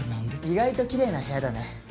意外ときれいな部屋だね。